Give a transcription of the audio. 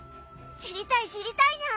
知りたい知りたいにゃん。